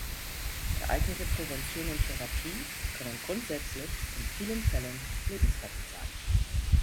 Geeignete Prävention und Therapie können grundsätzlich in vielen Fällen lebensrettend sein.